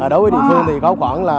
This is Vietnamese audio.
đối với địa phương thì có khoảng